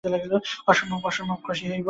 অসম্ভব, অসম্ভব, অসম্ভব খুশি হব।